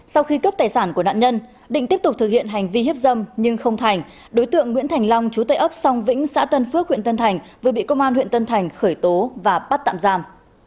sau khi cướp tài sản của nạn nhân định tiếp tục thực hiện hành vi hiếp dâm nhưng không thành đối tượng nguyễn thành long chú tệ ấp song vĩnh xã tân phước huyện tân thành vừa bị công an huyện tân thành khởi tố và bắt tạm giam